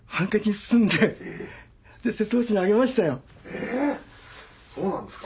えそうなんですか。